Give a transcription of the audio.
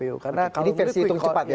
ini versi hitung cepat ya bang ya